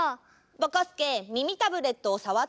ぼこすけ耳タブレットをさわってくれる？